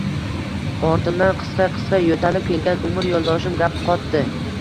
Ortimdan qisqa-qisqa yo`talib kelgan umr yo`ldoshim gap qotdi